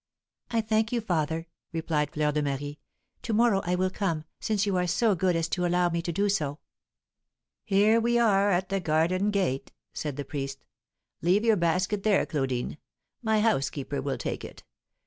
"I thank you, father," replied Fleur de Marie. "To morrow I will come, since you are so good as to allow me to do so." "Here we are at the garden gate," said the priest. "Leave your basket there, Claudine; my housekeeper will take it.